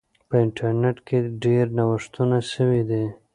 په انټرنیټ کې ډیر نوښتونه سوي دي.